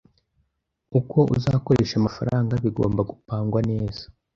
uko uzakoresha amafranga bigomba gupangwa neza